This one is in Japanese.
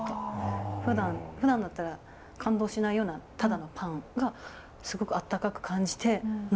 ふだんふだんだったら感動しないようなただのパンがすごく温かく感じて涙